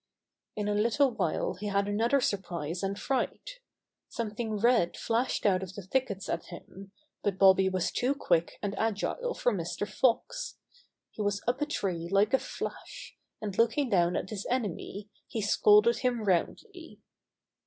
In a little while he had another surprise and fright. Something red flashed out of the thickets at him, but Bobby was too quick and agile for Mr. Fox. He was up a tree like a flash, and looking down at his enemy he scolded him roundly.